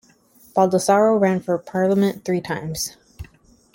Baldasaro ran for Parliament three times.